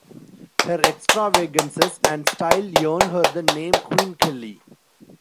Her extravagances and style earn her the name Queen Kelly.